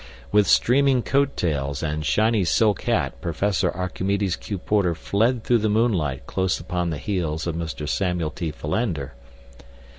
With streaming coat tails and shiny silk hat Professor Archimedes Q. Porter fled through the moonlight close upon the heels of Mr. Samuel T. Philander.